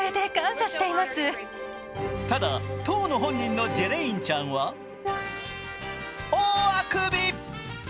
ただ、当の本人のジェレインちゃんは大あくび。